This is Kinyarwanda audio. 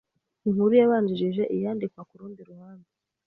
inkuru yabanjirije iyandikwa Ku rundi ruhande